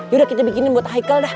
yaudah kita bikinin buat hikal dah